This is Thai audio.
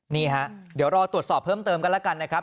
นี่ฮะเดี๋ยวรอตรวจสอบเพิ่มเติมกันแล้วกันนะครับ